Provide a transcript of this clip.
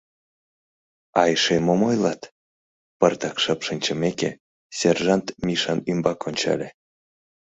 — А эше мом ойлат? — пыртак шып шинчымеке, сержант Мишан ӱмбак ончале.